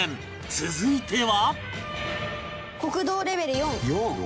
続いては